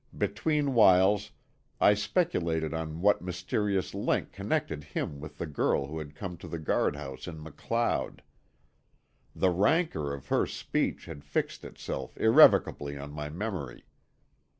Between whiles I speculated on what mysterious link connected him with the girl who had come to the guardhouse in MacLeod. The rancor of her speech had fixed itself irrevocably on my memory.